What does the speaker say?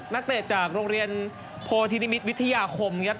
นักเตะจากโรงเรียนโพธินิมิตรวิทยาคมครับ